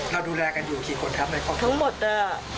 แล้วดูแลกันอยู่กี่คนครับในข้อมูลทั้งหมดเอ่อ